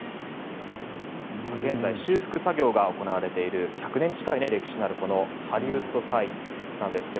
現在修復作業が行われている１００年近い歴史のあるハリウッド・サインなんですが。